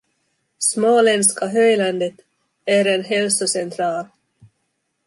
Småländska höglandet är en hälsocentral.